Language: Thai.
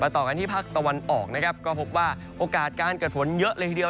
ต่อกันที่ภาคตะวันออกนะครับก็พบว่าโอกาสการเกิดฝนเยอะเลยทีเดียว